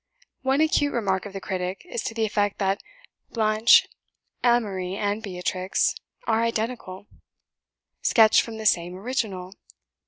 One acute remark of the critic is to the effect that Blanche Amory and Beatrix are identical sketched from the same original!